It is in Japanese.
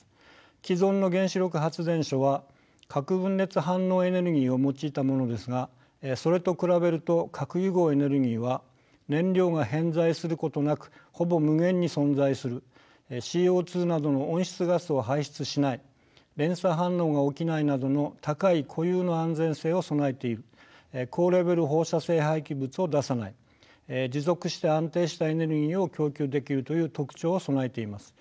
既存の原子力発電所は核分裂反応エネルギーを用いたものですがそれと比べると核融合エネルギーは燃料が偏在することなくほぼ無限に存在するＣＯなどの温室ガスを排出しない連鎖反応が起きないなどの高い固有の安全性を備えている高レベル放射性廃棄物を出さない持続した安定したエネルギーを供給できるという特徴を備えています。